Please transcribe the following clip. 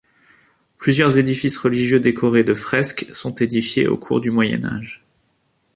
Plusieurs édifices religieux décorés de fresques sont édifiés au cours du Moyen Âge.